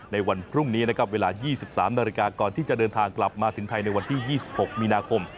ในวันพรุ่งนี้นะครับเวลา๒๓นาฬิกาก่อนที่จะเดินทางกลับมาถึงไทยในวันที่๒๖มีนาคม